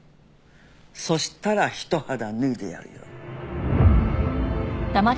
そしたら一肌脱いでやるよ。